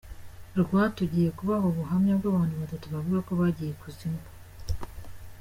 rw tugiye kubaha ubuhamya bw’abantu batatu bavuga ko bagiye ikuzimu.